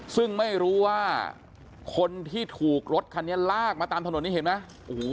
ซึ่งไม่รู้ว่าคนที่ถูกรถคันนี้ลากมาตามถนนนี้เห็นไหม